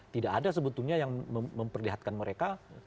tidak ada sebetulnya yang memperlihatkan mereka